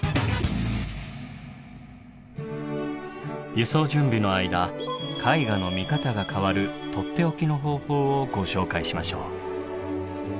輸送準備の間絵画の見方が変わるとっておきの方法をご紹介しましょう。